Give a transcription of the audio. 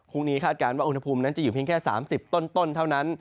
คาดการณ์ว่าอุณหภูมินั้นจะอยู่เพียงแค่๓๐ต้นเท่านั้น